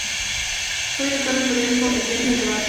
Fue director del periódico "El Diario" y El Debate.